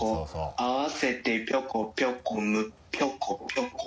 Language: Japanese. あわせてぴょこぴょこむぴょこぴょこ。